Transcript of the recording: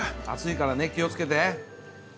熱いからね気を付けて。